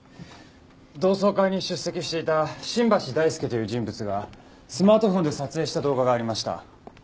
同窓会に出席していた新橋大輔という人物がスマートフォンで撮影した動画がありました。